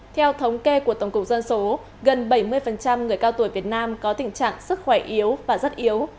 theo thống kê của tổng cục dân số gần bảy mươi người cao tuổi việt nam có tình trạng sức khỏe yếu và rất yếu